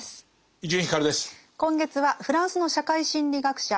今月はフランスの社会心理学者